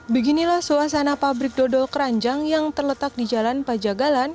beginilah suasana pabrik dodol keranjang yang terletak di jalan pajagalan